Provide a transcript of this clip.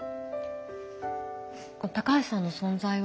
高橋さんの存在は。